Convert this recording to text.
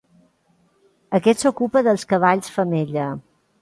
Aquest s'ocupa dels cavalls femella.